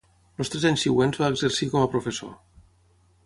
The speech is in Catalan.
Els tres anys següents va exercir com a professor.